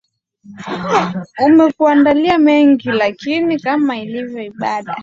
umekuandalia mengi lakini kama ilivyo ibada